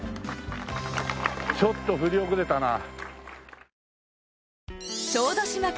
ちょっと振り遅れたな。